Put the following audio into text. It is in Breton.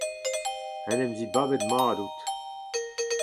En em zibabet mat out.